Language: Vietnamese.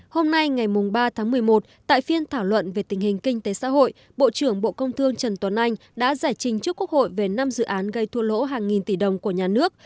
hôm nay ngày ba tháng một mươi một tại phiên thảo luận về tình hình kinh tế xã hội bộ trưởng bộ công thương trần tuấn anh đã giải trình trước quốc hội về năm dự án gây thua lỗ hàng nghìn tỷ đồng của nhà nước